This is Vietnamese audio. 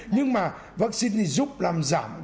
nhưng mà vaccine thì giúp làm giảm